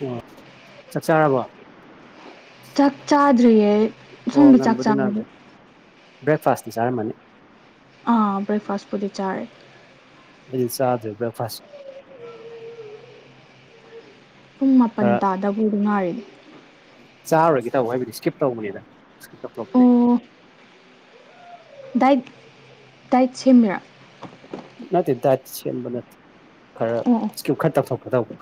ꯑꯣ ꯆꯥꯛ ꯆꯥꯔꯕꯣ ꯆꯥꯛ ꯆꯥꯗ꯭ꯔꯤꯌꯦ ꯁꯣꯝꯒꯤ ꯆꯥꯛ ꯆꯥꯕꯗ ꯕ꯭ꯔꯦꯛꯐꯥꯁꯇ ꯆꯥꯔꯝꯃꯅꯤ ꯑꯥ ꯕ꯭ꯔꯦꯛꯐꯥꯁ ꯄꯨꯗꯤ ꯆꯥꯔꯦ ꯑꯩ ꯆꯖ ꯕꯦꯛꯐꯥꯁ ꯄꯨꯡ ꯃꯥꯄꯟ ꯇꯥꯗꯕꯨꯗ ꯉꯥꯏꯔꯤꯅꯦ ꯆꯥꯔꯨꯔꯒꯦ ꯇꯧꯕ ꯍꯥꯏꯕꯗꯤ ꯏꯁꯀꯤꯞ ꯇꯧꯕꯅꯤꯅ ꯏꯁꯀꯤꯞ ꯑꯣ ꯇꯧꯊꯄꯅꯦꯅ ꯗꯥꯏꯠ ꯗꯥꯏꯠ ꯁꯦꯝꯃꯤꯔꯥ ꯅꯠꯇꯦ ꯗꯥꯏꯠ ꯁꯦꯝꯕ ꯅꯠꯇꯦ ꯈꯔ ꯑꯣ ꯑꯣ ꯏꯁꯀ꯭ꯌꯨ ꯈꯔ ꯇꯧꯊꯣꯛꯈ꯭ꯔ ꯇꯧꯕ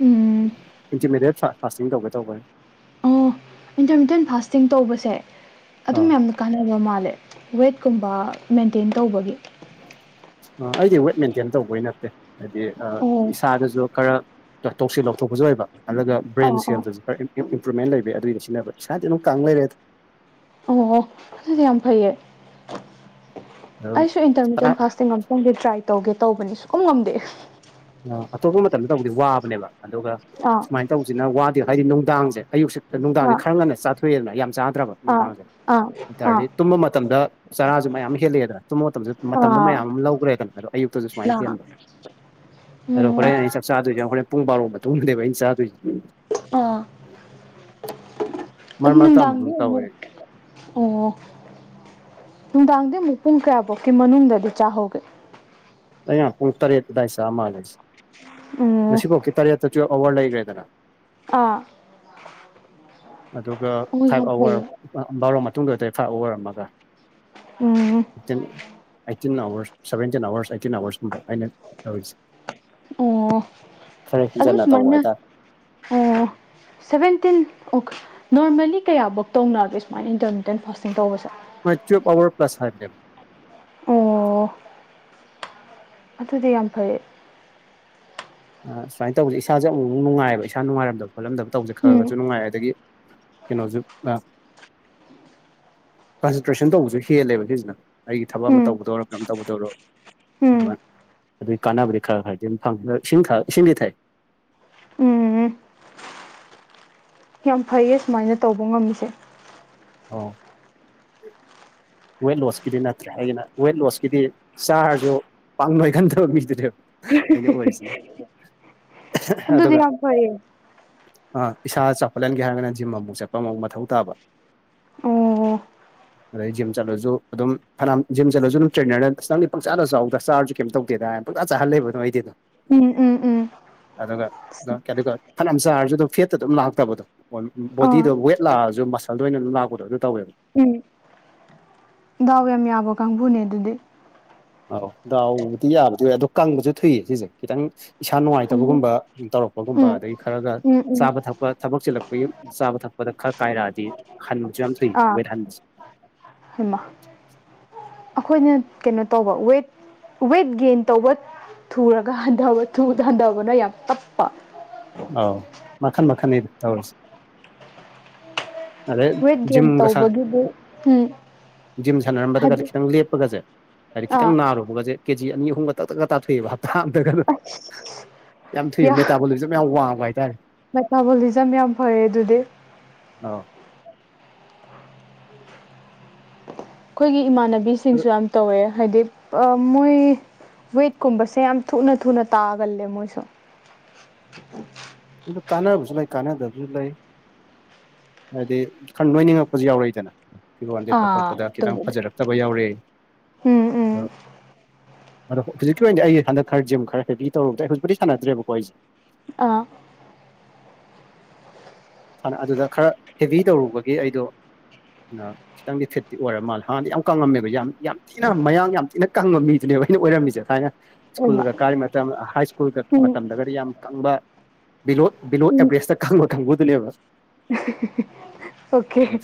ꯎꯝ ꯏꯟꯇꯔꯃꯤꯗꯤꯦꯠ ꯄꯥꯁꯁꯤꯡ ꯇꯧꯒꯦ ꯇꯧꯕꯦ ꯏꯟꯇꯔꯃꯤꯗꯠ ꯐꯥꯁꯇꯤꯡ ꯇꯧꯕꯁꯦ ꯑꯗꯨꯝ ꯑꯥ ꯌꯥꯝꯅ ꯀꯥꯟꯅꯕ ꯃꯥꯜꯂꯦ ꯋꯦꯠꯀꯨꯝꯕ ꯃꯦꯟꯇꯦꯟ ꯇꯧꯕꯒꯤ ꯑꯩꯗꯤ ꯋꯦꯠ ꯃꯦꯟꯇꯦꯟ ꯇꯧꯕꯩ ꯅꯠꯇꯦ ꯍꯥꯏꯗꯤ ꯑꯣ ꯏꯁꯥꯗꯁꯨ ꯈꯔ ꯇꯧꯁꯤꯜ ꯂꯧꯊꯣꯛꯄꯁꯨ ꯑꯣꯏꯕ ꯑꯗꯨꯒ ꯕ꯭ꯔꯦꯟ ꯑꯥ ꯑꯥ ꯁꯦꯜꯗꯨꯁꯨ ꯈꯔ ꯏꯝꯄ꯭ꯔꯨꯕꯃꯦꯟ ꯂꯩꯕ ꯑꯗꯨꯒꯤꯗꯤ ꯁꯤꯟꯅꯕ ꯏꯁꯥꯗꯤ ꯑꯗꯨꯝ ꯀꯥꯡ ꯂꯩꯔꯦ ꯑꯣ ꯑꯗꯨꯗꯤ ꯌꯥꯝ ꯐꯩꯌꯦ ꯑꯗꯨꯝ ꯑꯩꯁꯨ ꯐꯅ ꯏꯟꯇꯔꯗꯤꯠ ꯐꯥꯁꯇꯤꯡ ꯪꯦ ꯇ꯭ꯔꯥꯏ ꯇꯧꯒꯦ ꯇꯧꯕꯅꯤ ꯁꯨ ꯀꯝ ꯉꯝꯗꯦ ꯑꯇꯣꯞꯄ ꯃꯇꯝꯗ ꯇꯧꯗꯤ ꯋꯥꯕꯅꯦꯕ ꯑꯗꯨꯒ ꯑꯥ ꯁꯨꯃꯥꯏꯅ ꯇꯧꯁꯤꯅ ꯋꯥꯗꯤ ꯍꯥꯏꯗꯤ ꯅꯨꯡꯗꯥꯡꯁꯦ ꯑꯌꯨꯛꯁꯦ ꯑꯗꯣ ꯅꯨꯡꯗꯥꯡꯁꯦ ꯑꯥ ꯈꯔ ꯉꯟꯅ ꯆꯥꯊꯣꯛꯑꯦꯗꯅ ꯌꯥꯝ ꯆꯥꯗ꯭ꯔꯕ ꯑꯥ ꯅꯨꯡꯗꯥꯡꯁꯦ ꯑꯥ ꯑꯥ ꯑꯗꯨꯔꯗꯤ ꯇꯨꯝꯕ ꯃꯇꯝꯗ ꯆꯔꯥꯁꯨ ꯃꯌꯥꯝ ꯍꯦꯜꯂꯛꯑꯦꯗꯅ ꯇꯨꯝꯕ ꯃꯇꯝꯗꯁꯨ ꯃꯇꯝꯗꯣ ꯑꯥ ꯃꯌꯥꯝ ꯑꯃ ꯂꯧꯈ꯭ꯔꯦꯗꯅ ꯍꯥꯏꯗꯣ ꯑꯌꯨꯛꯇꯁꯨ ꯁꯨꯥꯏꯅ ꯂꯥ ꯊꯤꯍꯕ ꯑꯗꯣ ꯑꯣ ꯍꯣꯔꯦꯟ ꯑꯩ ꯆꯥꯗꯣꯏꯁꯦ ꯍꯣꯔꯦꯟ ꯄꯨꯡ ꯕꯥꯔ ꯃꯇꯨꯡꯗꯅꯦꯕ ꯑꯩꯅ ꯆꯥꯗꯣꯏꯁꯦ ꯑꯥ ꯃꯔꯛ ꯃꯔꯛꯇ ꯑꯃꯨꯛ ꯅꯨꯡꯗꯥꯥꯡꯕꯤ ꯑꯃꯨꯛ ꯇꯧꯋꯦ ꯑꯣ ꯅꯨꯡꯗꯥꯡꯗꯤ ꯑꯃꯨꯛ ꯄꯨꯡ ꯀꯌꯥꯐꯥꯎꯀꯤ ꯃꯅꯨꯡꯗꯗꯤ ꯆꯥꯍꯧꯒꯦ ꯑꯩꯅ ꯄꯨꯡ ꯇꯔꯦꯠ ꯑꯗꯥꯏ ꯆꯥ ꯃꯥꯜꯂꯁꯦ ꯎꯝ ꯉꯁꯤꯐꯥꯎ ꯀ ꯇꯔꯦꯠꯇꯁꯨ ꯑꯋꯥꯔ ꯂꯩꯈ꯭ꯔꯦꯗꯅ ꯑꯥ ꯑꯗꯨꯒ ꯑꯣ ꯌꯥꯝ ꯐꯥꯏꯚ ꯑꯋꯥꯔ ꯐꯩꯌꯦ ꯕꯥꯎꯔ ꯃꯇꯨꯡꯗꯗ ꯐꯥꯏꯚ ꯑꯋꯔ ꯑꯃꯒ ꯎꯝ eighteen eighteen hours seventeen hours eighteen ꯑꯋꯥꯔꯁꯀꯨꯝꯕ ꯑꯩꯅ ꯇꯧꯔꯤꯁꯦ ꯑꯣ ꯈꯔ ꯀ ꯍꯦꯟꯖꯟꯅ ꯇꯧꯕ ꯁꯃꯥꯏ ꯍꯥꯏꯇꯥꯔꯦ ꯑꯣ ꯁꯕꯦꯟꯇꯤꯟ ꯑꯣ ꯅꯣꯔꯃꯦꯜꯂꯤ ꯀꯌꯥꯐꯛ ꯇꯧꯅꯒꯦ ꯁꯨꯃꯥꯏꯅ ꯏꯟꯇꯔꯃꯤꯗꯦꯟ ꯐꯥꯁꯇꯤꯡ ꯇꯧꯕꯁꯦ ꯃꯥꯏꯆꯣ ꯄꯋꯥꯔ ꯄ ꯀ꯭ꯂ꯭ꯂꯥꯁ ꯍꯥꯏꯥꯏꯕꯦꯕ ꯑꯣ ꯑꯗꯨꯗꯤ ꯌꯥꯝ ꯐꯩꯌꯦ ꯑ ꯁꯨꯃꯥꯏꯅ ꯇꯧꯕꯁꯦ ꯏꯁꯥꯁꯦ ꯑꯃꯨꯛ ꯅꯨꯡꯉꯥꯏꯕ ꯏꯁꯥ ꯅꯨꯡꯉꯥꯏꯔꯝꯗꯕ ꯈꯣꯠꯂꯝꯗꯕ ꯇꯧꯁꯦ ꯎꯝ ꯈꯔꯒꯁꯨ ꯅꯨꯡꯉꯥꯏ ꯑꯗꯒꯤ ꯀꯩꯅꯣꯁꯦ ꯀꯟꯁꯦꯟꯇ꯭ꯔꯦꯁꯟ ꯇꯧꯕꯁꯨ ꯍꯦꯜꯂꯦꯕ ꯁꯤꯁꯤꯅ ꯑꯩꯒꯤ ꯊꯕꯛ ꯑꯃ ꯎꯝ ꯇꯧꯗꯧꯔꯣ ꯀꯔꯝ ꯇꯧꯗꯧꯔꯣ ꯎꯝ ꯑꯗꯨ ꯑꯗꯨꯒꯤ ꯀꯥꯟꯅꯕꯗꯤ ꯈꯔ ꯈꯔꯗꯤ ꯑꯗꯨꯝ ꯐꯪꯉꯤ ꯏꯁꯤꯡ ꯏꯁꯤꯡꯗꯤ ꯊꯥꯏ ꯎꯝ ꯌꯥꯝ ꯐꯩꯌꯦ ꯁꯨꯃꯥꯏꯅ ꯇꯧꯕ ꯉꯝꯃꯤꯁꯦ ꯑ ꯋꯦꯠ ꯂꯣꯁꯀꯤꯗꯤ ꯅꯠꯇ꯭ꯔꯦ ꯍꯥꯏꯗꯅ ꯋꯦꯠ ꯂꯣꯁꯀꯤꯗꯤ ꯆꯥꯔꯁꯨ ꯄꯥꯡꯂꯣꯏꯒꯟꯗꯕ ꯃꯤꯗꯨꯅꯦꯕ ꯑꯩꯅ ꯑꯣꯏꯔꯤꯁꯤꯅ ꯑꯗꯨꯗꯤ ꯑꯗꯨꯒ ꯌꯥꯝ ꯐꯩꯌꯦ ꯑ ꯏꯁꯥ ꯆꯥꯎꯈꯠꯍꯟꯒꯦ ꯍꯥꯏꯔꯒꯅ ꯖꯤꯝ ꯑꯃꯨꯛ ꯆꯠꯄ ꯑꯃꯨꯛ ꯃꯊꯧ ꯇꯥꯕ ꯑꯣ ꯔ ꯆꯠꯂꯁꯨ ꯑꯗꯨꯝ ꯐꯅꯌꯥꯝ ꯖꯤꯝ ꯆꯠꯂꯁꯨ ꯑꯗꯨꯝ ꯇ꯭ꯔꯦꯅꯔꯗ ꯄꯖꯥꯗ ꯆ ꯆꯥꯎꯗ ꯆꯥꯔꯁꯨ ꯀꯩꯇ ꯇꯧꯗꯦꯗ ꯍꯥꯏ ꯆꯆꯥꯍꯜ ꯂꯩꯕ ꯑꯗꯨꯣ ꯑꯩꯗꯤ ꯑꯗꯨꯝ ꯎꯝ ꯎꯝ ꯎꯝ ꯑꯗꯨꯒ ꯑꯗꯨꯒ ꯐꯅꯌꯥꯝ ꯆꯥꯔꯁꯨ ꯑꯗꯨꯝ ꯐꯦꯠꯇ ꯑꯗꯨꯝ ꯂꯥꯛꯇꯕꯗꯣ ꯑꯣ ꯑꯥ ꯕꯣꯗꯤꯗꯣ ꯋꯦꯠ ꯂꯥꯛꯑꯁꯨ ꯃꯁꯜꯗ ꯑꯣꯏꯅ ꯑꯗꯨꯝ ꯂꯥꯛꯄꯗꯣ ꯑꯗꯨ ꯇꯧꯋꯦꯕ ꯎꯝ ꯗꯥꯎ ꯌꯥꯝ ꯌꯥꯕ ꯀꯥꯡꯕꯨꯅꯦ ꯑꯗꯨꯗꯤ ꯑ ꯗꯥꯎꯕꯨꯗꯤ ꯌꯥꯕꯗꯤ ꯑꯣꯏ ꯑꯗꯣ ꯀꯪꯕꯁꯨ ꯊꯨꯏꯌꯦ ꯁꯤꯁꯦ ꯈꯤꯇꯪ ꯏꯁꯥ ꯎꯝ ꯅꯨꯡꯉꯥꯏꯇꯕꯒꯨꯝꯕ ꯇꯧꯔꯛꯄꯒꯨꯝꯕ ꯎꯝ ꯑꯗꯗꯒꯤ ꯈꯔꯒ ꯎꯝ ꯎꯝ ꯆꯥꯕ ꯊꯛꯄ ꯊꯕꯛ ꯆꯤꯜꯂꯛꯄꯒꯤꯨꯝ ꯆꯥꯕ ꯊꯛꯄꯗ ꯈꯔ ꯀꯥꯏꯔꯛꯑꯗꯤ ꯍꯟꯕꯁꯨ ꯌꯥꯝ ꯐꯩ ꯋꯦꯠ ꯍꯟꯕꯁꯦ ꯍꯃ ꯑꯩꯈꯣꯏꯅ ꯀꯩꯅꯣ ꯇꯧꯕ ꯋꯦꯠ ꯋꯦꯠ ꯒꯦꯟ ꯇꯧꯕ ꯊꯨꯔꯒ ꯍꯟ ꯊꯗ ꯍꯟꯊꯕꯅ ꯌꯥꯝ ꯇꯞꯄ ꯑꯧ ꯃꯈꯟ ꯃꯈꯜ ꯇꯧꯔꯁꯤꯦ ꯑꯗ ꯋꯦꯠ ꯒꯦꯟ ꯝꯒꯁꯥꯟ ꯇꯧꯕꯒꯤꯗꯤ ꯎꯝ ꯖꯤꯝ ꯁꯥꯟꯅꯔꯝꯕꯗꯒꯗꯤ ꯍꯥꯏꯗꯤ ꯈꯤꯇꯪ ꯂꯦꯞꯄꯒꯁꯦ ꯍꯥꯏꯗꯤ ꯑꯥ ꯈꯤꯇꯪ ꯅꯥꯔꯨꯕꯒꯁꯦ ꯀꯦꯖꯤ ꯑꯅꯤ ꯑꯍꯨꯝꯒ ꯇꯛ ꯇꯒ ꯇꯥꯊꯣꯛꯏꯑꯦꯕ ꯍꯞꯇꯥ ꯑꯝꯇꯒ ꯑꯁ ꯌꯥꯝ ꯊꯣꯛꯨꯏꯦꯕ ꯃꯦꯇꯥꯕꯣꯂꯤꯖꯝ ꯌꯥꯝ ꯋꯥꯡꯕ ꯍꯥꯏꯇꯥꯔꯦ ꯃꯦꯊꯥꯕꯣꯂꯤꯖꯝ ꯌꯥꯝ ꯐꯩꯌꯦ ꯑꯗꯨꯗꯤ ꯑꯥ ꯑꯩꯈꯣꯏꯒꯤ ꯑꯗꯨ ꯏꯃꯥꯟꯅꯕꯤꯁꯤꯡꯁꯨ ꯌꯥꯝ ꯇꯧꯋꯦ ꯍꯥꯏꯗꯤ ꯃꯣꯏ ꯋꯦꯠꯀꯨꯝꯕꯁꯦ ꯌꯥꯝ ꯊꯨꯅ ꯊꯨꯅ ꯇꯥꯒꯜꯂꯦ ꯃꯣꯏꯁꯨ [inaudible] ꯑꯗꯨ ꯀꯥꯟꯅꯕꯁꯨ ꯂꯩ ꯀꯥꯟꯅꯗꯕꯁꯨ ꯂꯩ ꯍꯥꯏꯗꯤ ꯈꯔ ꯂꯣꯏꯅꯤꯡꯉꯛꯄꯁꯨ ꯌꯥꯎꯔꯛꯏꯗꯅ ꯐꯤꯔꯣꯜ ꯂꯤꯦꯞꯄ ꯑꯥ ꯈꯣꯠꯄꯗ ꯈꯤꯇꯪ ꯇꯧꯕꯗꯤ ꯐꯖꯔꯛꯇꯕ ꯌꯥꯎꯔꯛꯦ ꯎꯝ ꯑꯗꯣ ꯎꯝ ꯑꯗꯣ ꯍꯧꯖꯤꯛꯀꯤ ꯑꯣꯏꯅꯗꯤ ꯑꯩ ꯍꯟꯗꯛ ꯈꯔ ꯝ ꯈꯔꯦꯦꯛꯄꯤ ꯇꯧꯔꯕꯗ ꯑꯩ ꯍꯧꯖꯤꯤꯗꯤꯥꯟꯅꯗꯦꯕꯀꯣ ꯑꯩꯁꯦ ꯑꯥ ꯅ ꯑꯗꯨꯗ ꯈꯔ ꯍꯦꯚ ꯇꯧꯔꯨꯕꯒꯤ ꯑꯩꯗꯣ ꯈꯤꯇꯪꯗꯤ ꯐꯤꯠꯇꯤ ꯑꯣꯏꯔ ꯃꯥꯜꯂꯦ ꯍꯥꯟꯗꯤ ꯌꯥꯝ ꯀꯪꯉꯝꯃꯦꯕ ꯌꯥꯝ ꯌꯥꯝ ꯌꯥꯝ ꯊꯤꯅ ꯃꯌꯥꯡ ꯌꯥꯝ ꯊꯤꯅ ꯀꯪꯕ ꯃꯤꯗꯨꯅꯦꯕ ꯑꯩꯅ ꯑꯣꯏꯔꯝꯃꯤꯁꯦ ꯁꯥꯏꯅ ꯑꯣꯏꯃ ꯁ꯭ꯀꯨꯜꯒ ꯀ ꯃ ꯍ ꯁꯀꯨꯜꯒ ꯗꯒꯗꯤ ꯌꯥꯝ ꯀꯪꯕ ꯕꯤꯂꯣ ꯑꯦꯚꯔꯦꯁꯇ ꯀꯪꯕ ꯀꯥꯡꯕꯨꯗꯨꯅꯦꯕ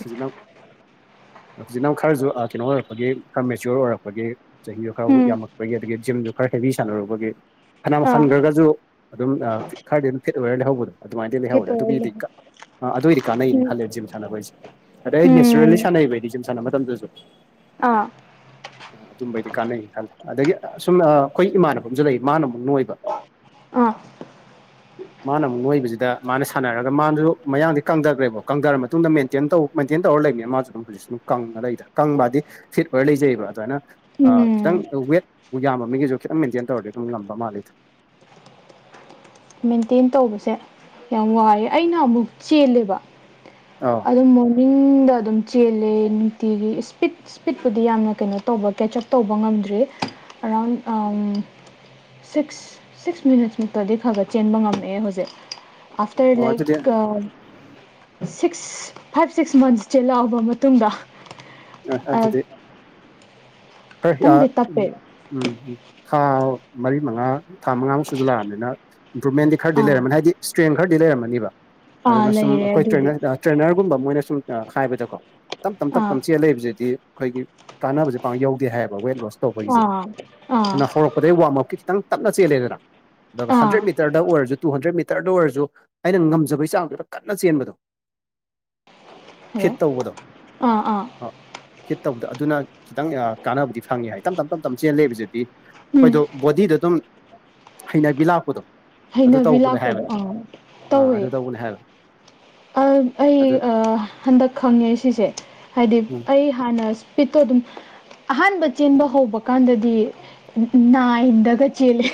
ꯁꯤꯖꯤꯅ [inaudible] ꯍꯧꯖꯤꯛ ꯅꯪ ꯈꯔꯁꯨ ꯀꯩꯅꯣ ꯑꯣꯏꯔꯛꯄꯒꯤ ꯈꯔ ꯃꯦꯆꯌꯣꯔ ꯑꯣꯏꯔꯛꯄꯒꯤ ꯆꯍꯤꯗꯣ ꯈꯔ ꯌꯥꯝꯃꯛꯛꯄꯒꯤ ꯑꯗꯒꯤ ꯖꯤꯝꯗꯣ ꯈꯔ ꯍꯦꯕꯤ ꯁꯥꯟꯅꯔꯨꯕꯒꯤ ꯐꯅꯝ ꯍꯟꯈ꯭ꯔꯒꯁꯨ ꯑꯗꯨꯝ ꯈꯔꯗꯤ ꯑꯗꯨꯝ ꯐꯤꯠ ꯑꯣꯏꯔ ꯂꯩꯍꯧꯕꯗꯣ ꯑꯗꯨꯃꯥꯏꯅꯗꯤ ꯂꯩꯍꯧꯔꯦ ꯑꯗꯨꯒꯤꯗꯤ ꯑ ꯑꯗꯨꯑꯣꯏꯗꯤ ꯀꯥꯟꯅꯩꯅꯦ ꯈꯜꯂꯦ ꯖꯤꯝ ꯁꯥꯟꯅꯕꯩꯁꯦ ꯑꯗꯩ ꯑꯩ ꯅꯦꯆꯔꯦꯜꯂꯤ ꯁꯥꯟꯅꯩꯕ ꯑꯩꯗꯤ ꯖꯤꯝ ꯁꯥꯟꯅꯕ ꯃꯇꯝꯗꯁꯨ ꯑꯥ ꯑꯗꯨꯝꯕꯩꯗꯤ ꯀꯥꯟꯅꯩꯩꯅ ꯈꯜꯂꯤꯦ ꯑꯗꯒꯤ ꯁꯨꯝ ꯑꯩꯈꯣꯏ ꯏꯃꯥꯟꯅꯕꯁꯨ ꯂꯩ ꯃꯥꯅ ꯑꯃꯨꯛ ꯅꯣꯏꯕ ꯑꯥ ꯃꯥꯅ ꯑꯃꯨꯛ ꯅꯣꯏꯕꯁꯤꯗ ꯃꯥꯅ ꯁꯥꯟꯅꯔꯒ ꯃꯥꯅꯁꯨ ꯃꯌꯥꯡꯗꯤ ꯀꯪꯊꯈ꯭ꯔꯦꯕ ꯀꯪꯊꯔ ꯃꯇꯨꯡꯗ ꯃꯦꯟꯇꯦꯟꯧ ꯃꯦꯟꯇꯦꯟ ꯇꯧꯔ ꯂꯩꯕ ꯃꯥꯁꯨ ꯁ ꯀꯪꯉ ꯂꯩꯗ ꯀꯪꯕꯗꯤ ꯐꯤꯠ ꯑꯣꯏꯔ ꯂꯩꯖꯩꯑꯕ ꯑꯗꯨꯃꯥꯏꯅ ꯈꯤꯇꯪ ꯋꯦꯠ ꯌꯥꯝꯕ ꯃꯤꯒꯤꯁꯨ ꯈꯤꯇꯪ ꯃꯦꯟꯇꯦꯟ ꯇꯧꯔꯗꯤ ꯑꯗꯨꯝ ꯉꯝꯕ ꯃꯥꯜꯜꯂꯤꯦ ꯑꯗꯨꯝ ꯃꯦꯟꯇꯦꯟ ꯇꯧꯕꯁꯦ ꯌꯥꯝ ꯋꯥꯔꯦ ꯑꯩꯅ ꯑꯃꯨꯛ ꯆꯦꯜꯂꯦꯕ ꯑꯧ ꯑꯗꯨꯝ ꯃꯣꯔꯅꯤꯡꯗ ꯑꯗꯨꯝ ꯆꯦꯜꯂꯦ ꯅꯨꯡꯇꯤꯒꯤ ꯏꯁꯄꯤꯠ ꯁ꯭ꯄꯤꯠꯄꯨꯗꯤ ꯌꯥꯝꯅ ꯀꯩꯅꯣ ꯇꯧꯕ ꯀꯦꯆ ꯑꯞ ꯇꯧꯕ ꯉꯝꯗ꯭ꯔꯤ ꯑꯔꯥꯎꯟ ꯁꯤꯛꯁ ꯁꯤꯛꯁ ꯃꯤꯅꯠꯁꯃꯨꯛꯇꯗꯤ ꯈꯔ ꯈꯔ ꯆꯦꯟꯕ ꯉꯝꯃꯛꯑꯦ ꯍꯧꯖꯤꯛ ꯑꯐꯇꯔ ꯑꯣ ꯂꯥꯏꯛ ꯑꯗꯨꯗꯤ ꯁꯤꯛꯁ ꯐꯥꯏꯚ ꯁꯤꯛꯁ ꯃꯟꯁꯁꯦ ꯂꯥꯛꯕ ꯃꯇꯨꯡꯗ ꯑ ꯑꯗꯨꯗꯦ ꯈꯔ ꯈꯤꯇꯪꯗꯤ ꯇꯞꯄꯦ ꯎ ꯎꯝ ꯊꯥ ꯃꯔꯤ ꯃꯉꯥ ꯊꯥ ꯃꯉꯥꯃꯨꯛ ꯁꯨꯖꯜ ꯂꯥꯛꯑꯕꯅꯤꯅ ꯏꯝꯄ꯭ꯔꯨꯚꯃꯦꯟꯗꯤ ꯈꯔꯗꯤ ꯑꯥ ꯂꯩꯔꯝꯃꯅꯤ ꯍꯥꯏꯗꯤ ꯏꯁꯇ꯭ꯔꯦꯡ ꯈꯔꯗꯤ ꯂꯩꯝꯃꯅꯤꯕ ꯑꯥ ꯑꯗꯨꯅ ꯁꯨꯝ ꯂꯩꯔꯦ ꯑꯩꯈꯣꯏ ꯑꯗꯨꯗꯤ ꯇ꯭ꯔꯦꯅꯔ ꯇ꯭ꯔꯦꯅꯔꯒꯨꯝꯕ ꯃꯣꯏꯅ ꯁꯨꯝ ꯍꯥꯏꯕꯗꯀꯣ ꯇꯞ ꯇꯞ ꯇꯞ ꯑꯥ ꯇꯞ ꯆꯦꯜ ꯂꯩꯕꯁꯤꯗꯤ ꯑꯩꯈꯣꯏꯒꯤ ꯀꯥꯟꯅꯕꯁꯦ ꯄ ꯌꯧꯗꯦ ꯍꯥꯏꯌꯦꯕ ꯋꯦꯠ ꯂꯣꯁ ꯇꯧꯕꯒꯤꯁꯦ ꯑꯥ ꯑꯥ ꯑꯗꯨꯅ ꯍꯧꯔꯛꯄ ꯑꯗꯩ ꯋꯥꯔꯝ ꯑꯞꯀꯤ ꯈꯤꯇꯪ ꯇꯞꯅ ꯆꯦꯜꯂꯦꯗꯅ ꯑꯗꯨꯒ ꯑꯥ ꯍꯟꯗ꯭ꯔꯦꯗ ꯃꯤꯇꯔꯗ ꯑꯣꯏꯔꯁꯨ ꯇꯨ ꯍꯟꯗ꯭ꯔꯦꯗ ꯃꯤꯇꯔꯗ ꯑꯣꯏꯔꯁꯨ ꯑꯩꯅ ꯉꯝꯖꯕꯩ ꯆꯥꯡꯗꯨꯗ ꯀꯟꯅ ꯆꯦꯟꯕꯗꯣ ꯍꯜꯂꯣ ꯐꯤꯠ ꯇꯧꯕꯗꯣ ꯑꯥ ꯑꯥ ꯑ ꯐꯤꯠ ꯇꯧꯕꯗꯣ ꯑꯗꯨꯅ ꯈꯤꯇꯪ ꯀꯥꯟꯅꯕꯗꯤ ꯐꯪꯉꯦ ꯍꯥꯏ ꯇꯝ ꯇꯞ ꯇꯞ ꯇꯞ ꯆꯦꯜꯂꯦꯕꯁꯤꯗꯤ ꯑꯩ ꯎꯝ ꯍꯣꯏꯗꯣ ꯕꯣꯗꯤꯗꯣ ꯑꯗꯨꯝ ꯍꯩꯅꯕꯤ ꯂꯥꯛꯄꯗꯣ ꯑꯗꯨ ꯍꯩꯅꯕꯤ ꯇꯧꯕꯅꯦ ꯂꯥꯛꯄꯗꯣ ꯍꯥꯏꯕꯅꯦ ꯑꯥ ꯑꯥ ꯇꯧꯋꯦ ꯑꯗꯨ ꯇꯧꯕꯅꯦ ꯍꯥꯏꯕ ꯑꯩ ꯑꯗꯨꯅ ꯍꯟꯗꯛ ꯈꯪꯉꯦ ꯁꯤꯁꯦ ꯍꯥꯏꯗꯤ ꯎꯝ ꯑꯩ ꯍꯥꯟꯅ ꯏꯁꯄꯤꯠꯇꯣ ꯑꯗꯨꯝ ꯑꯍꯥꯟꯕ ꯆꯦꯟꯕ ꯍꯧꯕ ꯀꯥꯟꯗꯗꯤ ꯅꯥꯏꯟꯗꯒ ꯆꯦꯜꯂꯦ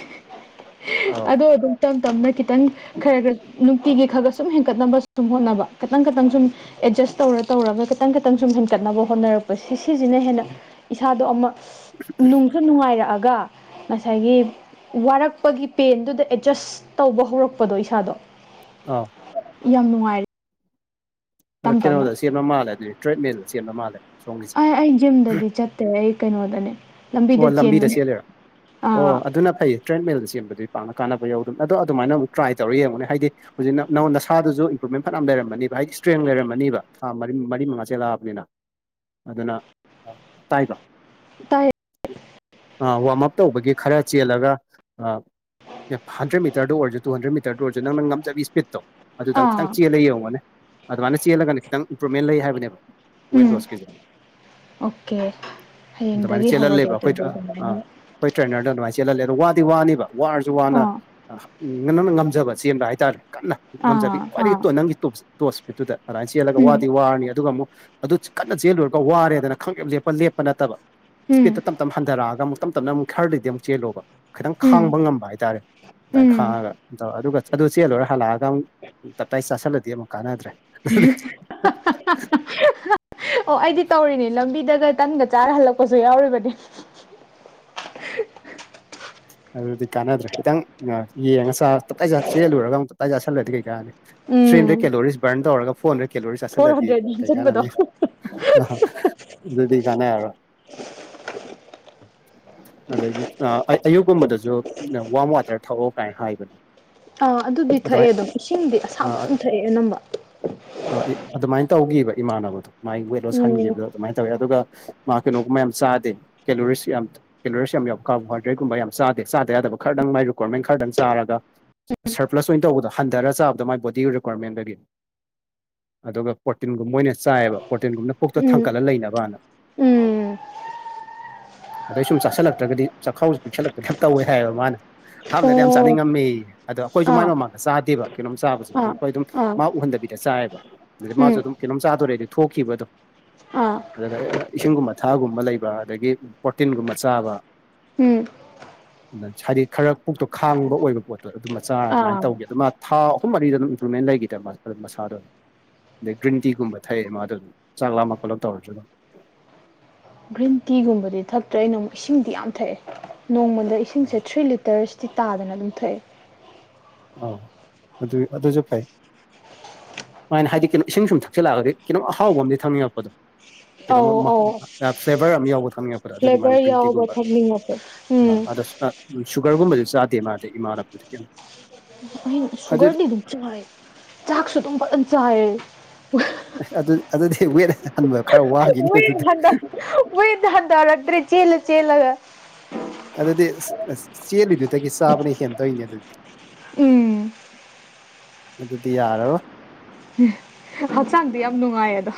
ꯑꯧ ꯑꯗꯣ ꯑꯗꯨꯝ ꯇꯝ ꯇꯝꯅ ꯈꯤꯇꯪ ꯈꯔ ꯈꯔ ꯅꯨꯡꯇꯤꯒꯤ ꯈꯔ ꯈ ꯁꯨꯝ ꯍꯦꯟꯒꯠꯅꯕ ꯁꯨꯝ ꯍꯣꯠꯅꯕ ꯈꯤꯇꯪ ꯇꯪ ꯁꯨꯝ ꯑꯦꯗꯖꯁ ꯇꯧꯔ ꯇꯧꯔꯒ ꯈꯤꯇꯪ ꯈꯤꯇꯪ ꯁꯨꯝ ꯍꯦꯟꯒꯠꯅꯕ ꯍꯣꯠꯅꯔꯛꯄ ꯁꯤꯁꯤꯅ ꯍꯦꯟꯅ ꯏꯁꯥꯗꯣ ꯑꯃ ꯅꯨꯡ ꯁ ꯅꯨꯡꯉꯥꯏꯔꯛꯑꯒ ꯉꯁꯥꯏꯒꯤ ꯋꯥꯔꯛꯄꯒꯤ ꯄꯦꯟꯗꯨꯗ ꯑꯦꯠꯖꯁ ꯇꯧꯕ ꯍꯧꯔꯛꯄꯗꯣ ꯏꯁꯥꯗꯣ ꯑꯥ ꯌꯥꯝ ꯅꯨꯡꯉꯥꯏꯔꯦ ꯑꯗꯣ ꯇꯞ ꯇꯞꯅ ꯀꯩꯅꯣꯗ ꯁꯦꯝꯕ ꯃꯥꯂꯦ ꯑꯗꯨꯗꯤ ꯇ꯭ꯔꯦꯠꯃꯦꯟꯗ ꯁꯦꯝꯕ ꯃꯥꯜꯂꯦ ꯁꯣꯝꯒꯤ ꯑꯦ ꯑꯩ ꯖꯤꯝꯗꯗꯤ ꯆꯠꯇꯦ ꯑꯩ ꯀꯩꯅꯣꯗꯅꯦ ꯑꯣ ꯂꯝꯕꯤꯗ ꯆꯦꯜꯂꯦꯔ ꯑꯣ ꯑꯥ ꯑꯗꯨꯅ ꯐꯩꯌꯦ ꯇ꯭ꯔꯦꯠꯃꯦꯜꯗ ꯆꯦꯟꯕꯗꯤ ꯄꯥꯛꯅ ꯀꯥꯟꯅꯕ ꯌꯧꯗꯅ ꯑꯗꯣ ꯑꯗꯨꯃꯥꯏꯅꯨꯛ ꯇ꯭ꯔꯥꯏ ꯇꯧꯔꯒ ꯌꯦꯡꯉꯨꯅꯦ ꯍꯥꯏꯗꯤ ꯍꯧꯖꯤꯛꯅ ꯅꯪꯣꯟ ꯅꯁꯥꯗꯨꯁꯨ ꯏꯝꯄ꯭ꯔꯨꯚꯃꯦꯟ ꯐꯠꯌꯥꯝ ꯂꯩꯔꯝꯃꯅꯤꯕ ꯍꯥꯏꯗꯤ ꯏꯁꯇ꯭ꯔꯦꯡ ꯂꯩꯔꯝꯃꯅꯤꯕ ꯊꯥ ꯃꯔꯤ ꯃꯔꯤ ꯃꯉꯥꯥꯁꯦꯜꯂꯛꯑꯕꯅꯤꯅ ꯑꯗꯨꯅ ꯇꯥꯏꯕ ꯇꯥꯏ ꯑ ꯋꯥꯔꯝ ꯑꯞ ꯇꯧꯕꯒꯤ ꯈꯔ ꯆꯦꯜꯂꯒ ꯑ ꯑꯦ ꯍꯟꯗ꯭ꯔꯦꯠ ꯃꯤꯇꯔꯗ ꯑꯣꯏꯁꯨ ꯇꯨꯟꯗ꯭ꯔꯦꯠ ꯃꯤꯇꯔ ꯑꯣꯏꯔꯁꯨ ꯅꯪ ꯉꯝꯖꯕꯤ ꯏꯁꯄꯤꯠꯇꯣ ꯑꯗꯨꯗꯪ ꯈꯤꯇꯪ ꯑꯥ ꯆꯦꯜꯂ ꯌꯦꯡꯉꯅꯤ ꯑꯗꯨꯃꯥꯏꯅ ꯆꯦꯜꯂꯒꯅ ꯈꯤꯇꯪ ꯏꯝꯄ꯭ꯔꯨꯕꯃꯦꯟ ꯂꯩ ꯍꯥꯏꯕꯅꯦꯕ ꯋꯦꯠ ꯎꯝ ꯂꯣꯁꯀꯤꯁꯦ ꯑꯣꯀꯦ ꯑꯗꯨꯃꯥꯏꯅ ꯍꯌꯦꯡꯗꯒꯤ ꯍꯧꯔꯒꯦ ꯆꯦꯜꯍꯜꯂꯦꯕ ꯑꯩꯈꯣꯏ ꯑꯗꯨꯗꯤ ꯑ ꯑꯗꯨꯃꯥꯏꯅ ꯑꯩꯈꯣꯏ ꯇ꯭ꯔꯦꯅꯔꯗ ꯑꯗꯨꯃꯥꯏꯅ ꯆꯦꯜꯍꯜꯂꯦ ꯑꯗꯣ ꯋꯥꯗꯤ ꯋꯥꯅꯤꯕ ꯋꯥꯔꯁꯨ ꯋꯥꯅ ꯑꯥ ꯎꯝ ꯅꯪꯅ ꯉꯝꯖꯕ ꯆꯦꯟꯕ ꯍꯥꯏꯇꯥꯔꯦ ꯀꯟꯅ ꯉꯝꯖꯒꯦ ꯑꯥ ꯈ꯭ꯋꯥꯏꯗꯒꯤ ꯑꯥ ꯅꯪꯒꯤ ꯇꯣꯞꯁ ꯇꯣꯁ ꯃꯤꯦꯠꯇꯨꯗ ꯑꯗꯨꯃꯥꯏꯅ ꯆꯦꯜꯂꯒ ꯎꯝ ꯋꯥꯗꯤ ꯋꯥꯔꯅꯤ ꯑꯗꯨꯒ ꯑꯃꯨꯛ ꯑꯗꯨ ꯀꯟꯅ ꯆꯦꯜꯂꯨꯔꯒ ꯋꯥꯔꯦꯗꯅ ꯈꯪꯉꯦ ꯂꯦꯞꯄ ꯂꯦꯞꯄ ꯅꯠꯇꯕ ꯏꯁꯄꯤꯠꯇ ꯎꯝ ꯇꯞ ꯇꯞꯅ ꯍꯟꯊꯔꯛꯑꯒ ꯑꯃꯨꯛ ꯇꯞ ꯇꯞꯅ ꯑꯃꯨꯛ ꯈꯔꯗꯤ ꯑꯃꯨꯛ ꯆꯦꯜꯂꯣꯕ ꯈꯤꯇꯪ ꯎꯝ ꯈꯥꯡꯕ ꯉꯝꯕ ꯍꯥꯏꯇꯥꯔꯦ ꯑꯗꯨꯃꯥꯏꯅ ꯎꯝ ꯈꯥꯡꯉꯒ ꯇꯧ ꯑꯗꯨꯒ ꯑꯗꯨ ꯆꯦ ꯂꯣꯏꯔ ꯍꯜꯂꯛꯑꯒ ꯑꯃꯨꯛ ꯇꯞꯇꯥꯏ ꯆꯥꯥꯁꯜꯂꯗꯤ ꯑꯃꯨꯛ ꯀꯥꯟꯅꯗ꯭ꯔꯦ ꯍ ꯑꯣ ꯑꯩꯗꯤ ꯇꯧꯔꯤꯅꯤ ꯂꯝꯕꯤꯗꯒ ꯇꯟꯒ ꯆꯥꯔ ꯍꯜꯂꯛꯄꯁꯨ ꯌꯥꯎꯔꯤꯕꯅꯤ ꯑꯗꯨꯗꯤ ꯀꯥꯟꯅꯗ꯭ꯔꯦ ꯈꯤꯇꯪ ꯌꯦꯡꯉꯁꯥ ꯇꯞꯇꯥꯏꯖꯥꯠ ꯆꯦꯜꯂꯨꯔꯒ ꯑꯃꯨꯛ ꯇꯞꯇꯥꯥꯏ ꯆꯥꯁꯤꯜꯂꯨꯔꯗꯤ ꯀꯩꯀꯥꯅꯤ ꯎꯝ ꯍꯟꯗ꯭ꯔꯦꯗ ꯀꯦꯂꯣꯔꯤ ꯕꯔꯟ ꯇꯔ ꯐꯣꯔ ꯍꯟꯗ꯭ꯔꯦꯗ ꯀꯦꯂꯣꯔꯤ ꯐꯣꯔ ꯆꯠꯁꯤꯜꯂꯗꯤ ꯍꯟꯗ꯭ꯔꯦꯠ ꯀꯩ ꯌꯣꯝꯁꯤꯟꯕꯗꯣ ꯀꯥꯟꯅꯅꯤ ꯑ ꯑꯗꯨꯗꯤ ꯀꯦ ꯑ ꯑꯗꯒꯤ ꯑꯌꯨꯛꯀꯨꯝꯕꯗꯁꯨ ꯋꯥꯔꯝ ꯋꯥꯇꯔ ꯊꯛꯑꯣ ꯀꯥꯏꯅ ꯍꯥꯏꯕꯅꯦ ꯑꯥ ꯑꯗꯨꯗꯤ ꯊꯛꯑꯦ ꯑꯗꯨꯃꯥꯏꯅ ꯑꯗꯨꯝ ꯏꯁꯤꯡꯗꯤ ꯑꯁꯥꯕꯁꯨꯨꯝ ꯊꯛꯑꯦ ꯑꯅꯝꯕ ꯑ ꯑꯗꯨꯃꯥꯏꯅ ꯇꯧꯈꯤꯕ ꯏꯃꯥꯟꯅꯕꯗꯣ ꯃꯒꯤ ꯋꯦꯠ ꯂꯣꯁ ꯎꯝ ꯍꯟꯈꯤꯕꯗꯣ ꯑꯗꯨꯃꯥꯏꯅ ꯇꯧꯋꯦ ꯑꯗꯨꯒ ꯃꯥ ꯀꯩꯅꯣꯒꯨꯝꯕ ꯌꯥꯝ ꯆꯥꯗꯦ ꯀꯦꯂꯣꯔꯤ ꯌꯥꯝ ꯀꯤꯂꯔꯁ ꯌꯥꯝ ꯀꯥꯎꯕ ꯍꯗ꯭ꯔꯩꯒꯨꯝꯕ ꯌꯥꯝ ꯆꯥꯗꯦ ꯆꯥꯗ ꯌꯥꯗꯕ ꯈꯔꯗꯪ ꯃꯥꯏ ꯀ꯭ꯋꯥꯔꯃꯦꯟ ꯈꯔꯗꯪ ꯆꯥꯔꯒ ꯁꯔꯄ꯭ꯂꯁ ꯑꯣꯏꯅ ꯇꯧꯕꯗꯣ ꯍꯟꯊꯔꯒ ꯆꯥꯕꯗ ꯃꯥꯏ ꯕꯣꯗꯤꯒꯤ ꯔꯤꯀ꯭ꯋꯥꯔꯃꯦꯟ ꯂꯩꯒꯅꯤ ꯑꯗꯨꯒ ꯄ꯭ꯔꯣꯔꯇꯤꯟꯒꯨꯝꯕꯣꯏꯅ ꯆꯥꯏꯑꯕ ꯄ꯭ꯔꯣꯔꯇꯤꯟꯒꯨꯝꯕꯅ ꯄꯨꯣꯛꯛꯇ ꯎꯝ ꯊꯥꯡꯀꯠꯂ ꯂꯩꯅꯕꯅ ꯎꯝ ꯑꯗꯩ ꯁꯨꯝ ꯆꯥꯁꯤꯜꯂꯛꯇ꯭ꯔꯒꯗꯤ ꯆꯥꯛꯈꯥꯎꯁꯨ ꯄꯤꯛꯁꯜꯂꯛꯄꯗꯤ ꯌꯥꯝ ꯇꯧꯋꯦ ꯍꯥꯏꯌꯦꯕ ꯃꯥꯅ ꯑꯍꯥꯟꯕꯗꯗꯤ ꯌꯥꯝ ꯑꯣ ꯆꯥꯅꯤꯡꯉꯝꯃꯤ ꯑꯗꯣ ꯑꯩꯈꯣꯏꯁꯨ ꯃ ꯃꯥꯥꯏ ꯑꯥ ꯃꯃꯥꯡꯗ ꯆꯥꯗꯦꯕ ꯀꯩꯅꯣꯝ ꯆꯥꯕꯁꯦ ꯑꯗꯨꯝ ꯑꯥ ꯑꯩꯈꯣꯏ ꯑꯗꯨꯝ ꯑꯥ ꯃꯥ ꯎꯍꯟꯗꯕꯤꯗ ꯆꯥꯏꯌꯦꯕ ꯑꯗꯨꯗꯤ ꯎꯝ ꯃꯥꯁꯨ ꯑꯗꯨꯝ ꯀꯩꯅꯣꯝ ꯆꯥꯗꯣꯔꯛꯦꯗꯤ ꯊꯣꯛꯈꯤꯕ ꯑꯗꯣ ꯑꯥ ꯑꯗꯨꯒ ꯏꯁꯤꯡꯒꯨꯝꯕ ꯊꯥꯒꯨꯝꯕ ꯂꯩꯕ ꯑꯗꯒꯤ ꯄ꯭ꯔꯇꯤꯟꯒꯨꯝꯕ ꯆꯥꯕ [unintelligible] ꯍꯥꯏꯗꯤ ꯈꯔ ꯄꯨꯛꯇꯣ ꯈꯥꯡꯕ ꯑꯣꯏꯕ ꯄꯣꯠꯇꯣ ꯑꯗꯨ ꯃꯆꯥ ꯑꯗꯨꯃꯥꯏꯅ ꯑꯥ ꯇꯧꯈꯤ ꯑꯗꯨ ꯃꯥ ꯊꯥ ꯑꯍꯨꯝ ꯃꯔꯤꯗ ꯑꯗꯨꯝ ꯏꯝꯄ꯭ꯔꯨꯚꯃꯦꯟ ꯂꯩꯈꯤꯗ ꯑꯗꯨ ꯃꯆꯥꯥꯗꯣ ꯑꯗ ꯒ꯭ꯔꯤꯟ ꯇꯤꯒꯨꯝꯕ ꯊꯛꯑꯌꯦ ꯃꯥꯗꯣ ꯆꯥꯛ ꯂꯥꯝꯃꯛ ꯈꯣꯠꯂꯛ ꯇꯧꯔꯁꯨ ꯑꯗꯨꯝ ꯒ꯭ꯔꯤꯟ ꯇꯤꯒꯨꯝꯕꯗꯤ ꯊꯛꯇ꯭ꯔꯦ ꯑꯩꯅꯥꯃꯨꯛ ꯏꯁꯤꯡꯗꯤ ꯌꯥꯝ ꯊꯛꯑꯦ ꯅꯣꯡꯃꯗ ꯏꯁꯤꯡꯁꯦ ꯊ꯭ꯔꯤ ꯂꯤꯇꯔꯁ ꯇꯤ ꯇꯥꯗꯅ ꯑꯗꯨꯝ ꯊꯣꯛꯑꯦ ꯑꯧ ꯑꯗꯨ ꯑꯗꯨꯁꯨ ꯐꯩ ꯁꯃꯥꯏꯅ ꯍꯥꯏꯗꯤ ꯀꯩꯅꯣ ꯏꯁꯤꯡꯁꯨꯝ ꯊꯛꯆꯜꯂꯛꯑꯒꯗꯤ ꯀꯩꯅꯣꯝ ꯑꯍꯥꯎꯕ ꯑꯃꯗꯤ ꯊꯅꯤꯡꯉꯛꯄꯗꯣ ꯑꯧ ꯀꯩꯅꯣꯃ ꯑꯧ ꯐ꯭ꯂꯦꯕꯔ ꯑꯃ ꯌꯥꯎꯕ ꯊꯝꯅꯤꯡꯉꯛꯄꯗꯣ ꯑꯗꯨꯒꯤ ꯐ꯭ꯂꯦꯕꯔ ꯃꯥꯅ ꯌꯥꯎꯕ ꯒ꯭ꯔꯤꯟꯇꯤꯒꯨꯝꯕ ꯊꯛꯅꯤꯡꯉꯁꯨ ꯑ ꯎꯝ ꯑꯗ ꯎꯝ ꯁꯨꯒꯔꯒꯨꯝꯕꯗꯤ ꯆꯥꯗꯦ ꯃꯥꯗꯤ ꯏꯃꯥ ꯂꯄꯗꯤ ꯀꯩꯅꯣ ꯑꯗꯨꯗꯤ ꯁꯨꯒꯔꯅꯤ ꯑꯗꯨꯝ ꯆꯥꯏ ꯆꯥꯛꯁꯨ ꯑꯗꯨꯝ ꯐꯖꯅ ꯆꯥꯏ ꯑ ꯑꯗꯨ ꯑꯗꯨꯗꯤ ꯋꯦꯠ ꯍꯟꯕ ꯈꯔ ꯋꯥꯈꯤꯅꯤ ꯋꯦꯠ ꯑꯗꯨꯗꯤ ꯍꯟꯗ ꯋꯦꯠ ꯍꯟꯗꯔꯛꯇꯔ꯭ꯦ ꯆꯦꯂ ꯆꯦꯜꯂꯒ ꯑꯗꯨꯗꯤ ꯆꯦꯜꯂꯤꯗꯨꯗꯒꯤ ꯆꯥꯕꯅ ꯍꯦꯟ ꯇꯧꯔꯤꯅꯦ ꯑꯗꯨꯗꯤ ꯎꯝ ꯑꯗꯨꯗꯤ ꯌꯥꯔꯔꯣꯏ ꯍꯛꯆꯥꯡꯗꯤ ꯌꯥꯝ ꯅꯨꯡꯉꯥꯏꯌꯦ ꯑꯗꯣ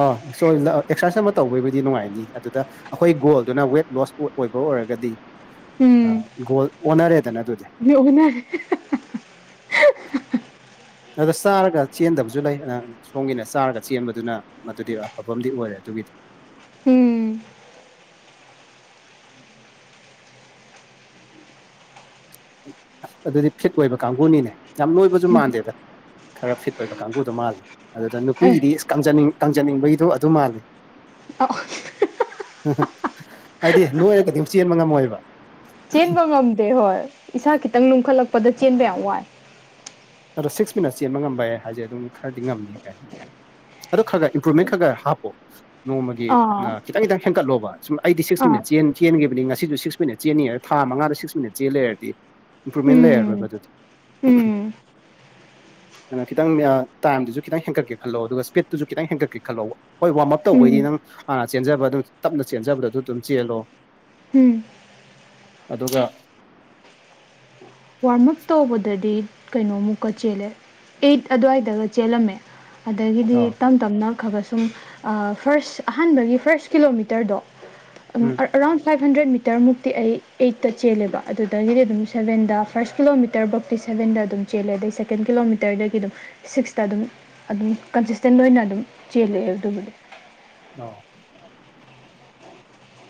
ꯑ ꯑꯦꯛꯁꯔꯁꯥꯏꯁ ꯑꯃ ꯇꯧꯕꯒꯤꯕꯨꯗꯤ ꯅꯨꯡꯉꯥꯏꯅꯤ ꯑꯗꯨꯗ ꯑꯩꯈꯣꯏ ꯒꯣꯜꯗꯨꯅ ꯋꯦꯠ ꯂꯣꯁ ꯑꯣꯏꯕ ꯑꯣꯏꯔꯒꯗꯤ ꯎꯝ ꯒꯣꯜ ꯑꯣꯟꯅꯔꯦꯗꯅ ꯑꯗꯨꯗꯤ [unintelligible] ꯑꯗ ꯆꯥꯔꯒ ꯆꯦꯟꯗꯕꯁꯨ ꯂꯩ ꯁꯣꯝꯒꯤꯅ ꯆꯥꯔꯒ ꯆꯦꯟꯕꯗꯨꯅ ꯃꯗꯨꯗꯤ ꯑꯐꯕ ꯑ ꯑꯣꯏꯔꯦ ꯑꯗꯨꯒꯤꯗꯤ ꯎꯝ ꯑꯁ ꯑꯗꯨꯗꯤ ꯐꯤꯠ ꯑꯣꯏꯕ ꯀꯥꯡꯕꯨꯅꯤꯅꯦ ꯌꯥꯝ ꯂꯣꯏꯕꯁꯨ ꯃꯥꯟꯗꯦꯗ ꯈꯔ ꯐꯤꯠ ꯑꯣꯏꯕ ꯀꯥꯡꯕꯨꯗꯣ ꯃꯥꯜꯂꯤ ꯑꯗꯨꯗ ꯑꯦ ꯅꯨꯄꯤꯒꯤꯗꯤꯅꯤ ꯏꯁ ꯀꯡꯖꯅꯤꯡꯕꯒꯤꯗꯣ ꯑꯗꯨ ꯃꯥꯜꯂꯤ ꯑꯈꯣꯏ ꯍꯥꯏꯗꯤ ꯅꯣꯏꯔꯒꯗꯤ ꯑꯃꯨꯛ ꯆꯦꯟꯕ ꯉꯝꯃꯣꯏꯕ ꯆꯦꯟꯕ ꯉꯝꯗꯦ ꯍꯣꯏ ꯏꯁꯥ ꯈꯤꯇꯪ ꯂꯨꯝꯈꯠꯂꯛꯄꯗ ꯆꯦꯟꯕ ꯌꯥꯝ ꯋꯥꯏ ꯑꯗꯣ ꯁꯤꯛꯁ ꯃꯤꯅꯠꯁ ꯆꯦꯟꯕ ꯉꯝꯕ ꯌꯥꯏ ꯍꯥꯏꯁꯦ ꯑꯗꯨꯝ ꯈꯔꯗꯤ ꯉꯝꯅꯤ ꯀꯥꯏꯅ ꯑꯗꯨ ꯈꯔ ꯈꯔ ꯏꯝꯄ꯭ꯔꯨꯚꯃꯦꯟ ꯈꯔ ꯈꯔ ꯍꯥꯞꯄꯣ ꯅꯣꯡꯃꯒꯤ ꯑꯥ ꯈꯤꯇꯪ ꯇꯪ ꯍꯦꯟꯀꯠꯂꯣ ꯁꯨꯝ ꯑꯩꯗꯤ ꯁꯤꯛꯁ ꯑꯥ ꯃꯤꯠ ꯈꯤꯇꯪ ꯈꯤꯇꯪ ꯍꯦꯟꯒꯠꯂꯣꯕ ꯑꯩꯗꯤ ꯁꯤꯛꯁ ꯃꯤꯅꯠ ꯆꯦꯟꯅꯤ ꯍꯥꯏꯔ ꯊꯥ ꯃꯉꯥꯗ ꯁꯤꯛꯁ ꯃꯤꯅꯠ ꯆꯦꯜ ꯂꯩꯔꯗꯤ ꯏꯝꯄ꯭ꯔꯨꯚꯃꯦꯟ ꯎꯝ ꯂꯩꯔꯔꯣꯏꯕ ꯑꯗꯨꯗꯤ ꯎꯝ ꯑꯗꯨ ꯈꯤꯇꯪ ꯇꯥꯏꯝꯗꯨꯁꯨ ꯈꯤꯇꯪ ꯍꯦꯟꯀꯠꯀꯦ ꯈꯜꯂꯣ ꯑꯗꯨꯒ ꯁ꯭ꯄꯤꯠꯇꯨꯁꯨ ꯈꯤꯇꯪ ꯍꯦꯟꯀꯠꯀꯦ ꯈꯜꯂꯣꯕ ꯍꯣꯏ ꯋꯥꯔꯝ ꯑꯞ ꯎꯝ ꯇꯧꯕꯩꯗꯤ ꯑꯗꯨꯝ ꯅꯪ ꯍꯥꯟꯅ ꯆꯦꯟꯖꯕ ꯑꯗꯨꯝ ꯇꯞꯅ ꯆꯦꯟꯖꯕꯗ ꯑꯗꯨ ꯑꯗꯨꯝ ꯆꯦꯜꯂꯣ ꯎꯝ ꯑꯗꯨꯒ ꯋꯥꯔꯝ ꯑꯞ ꯇꯧꯕꯗꯗꯤ ꯀꯩꯅꯣꯃꯨꯛꯀ ꯆꯦꯜꯂꯦ ꯑꯩꯠ ꯑꯗꯨꯋꯥꯏꯗꯒ ꯆꯦꯜꯂꯝꯃꯦ ꯑꯗꯒꯤꯗꯤ ꯑꯥ ꯇꯝ ꯇꯞꯅ ꯈꯒ ꯁꯨꯝ ꯐꯔꯁ ꯑꯍꯥꯟꯕꯒꯤ ꯐꯥꯔ꯭ꯁ ꯀꯤꯂꯣꯃꯤꯇꯔꯗꯣ ꯑꯗꯨꯝ ꯎꯝ ꯑꯔꯥꯎꯟ ꯐꯥꯏꯞ ꯍꯟꯗ꯭ꯔꯦꯗ ꯃꯤꯇꯔ ꯃꯨꯛꯇꯤ ꯑꯩ ꯑꯩꯠꯇ ꯆꯦꯜꯂꯦꯕ ꯑꯗꯨꯗꯒꯤꯗꯤ ꯑꯗꯨꯝ ꯁꯕꯦꯟꯗ ꯐꯥꯔꯁ ꯀꯤꯂꯣꯃꯤꯇꯔꯐꯧꯇꯤ ꯁꯕꯦꯟꯗ ꯑꯗꯨꯝ ꯆꯦꯜꯂꯦ ꯑꯗꯩ ꯁꯦꯀꯦꯟ ꯀꯤꯂꯣꯃꯤꯇꯔꯗꯒꯤ ꯑꯗꯨꯝ ꯁꯤꯛꯁꯇ ꯑꯗꯨꯝ ꯑꯗꯨꯝ ꯀꯟꯁꯤꯁꯇꯦꯟ ꯑꯣꯏꯅ ꯑꯗꯨꯝ ꯆꯦꯜꯂꯛꯑꯦ ꯑꯗꯨꯕꯨꯗꯤ ꯑ